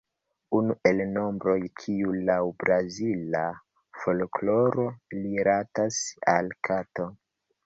Unu el nombroj kiu laŭ Brazila folkloro rilatas al kato.